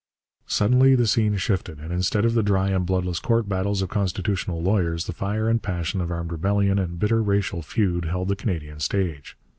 Suddenly the scene shifted, and, instead of the dry and bloodless court battles of constitutional lawyers, the fire and passion of armed rebellion and bitter racial feud held the Canadian stage.